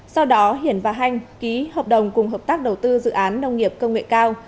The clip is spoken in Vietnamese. sau đó hiển và hanh ký hợp đồng cùng hợp tác đầu tư dự án nông nghiệp công nghệ cao